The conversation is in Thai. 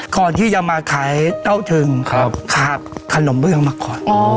ก่อนที่จะมาขายเต้าถึงขาดขนมเบื้องมาก่อน